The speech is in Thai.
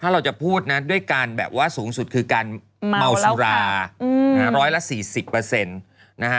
เราจะพูดนะด้วยการแบบว่าสูงสุดคือการเมาสุรา๑๐๐ละ๔๐เปอร์เซ็นต์